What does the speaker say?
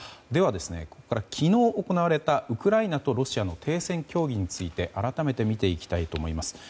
ではここから、昨日行われたウクライナとロシアの停戦協議について改めて見ていきたいと思います。